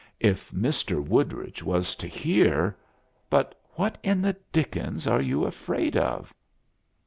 If Mr. Woodridge was to hear " "But what in the dickens are you afraid of?"